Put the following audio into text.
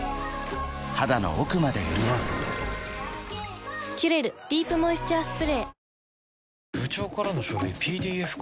肌の奥まで潤う「キュレルディープモイスチャースプレー」